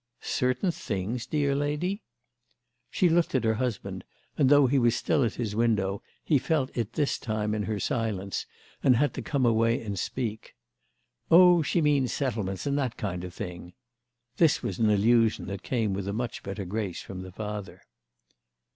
"Certain things, dear lady?" She looked at her husband, and though he was still at his window he felt it this time in her silence and had to come away and speak. "Oh she means settlements and that kind of thing." This was an allusion that came with a much better grace from the father.